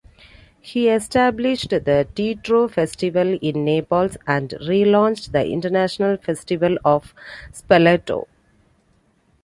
He established the Teatro Festival in Naples and re-launched the International Festival of Spoleto.